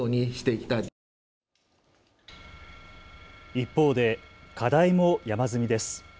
一方で課題も山積みです。